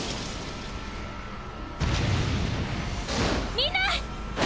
みんな！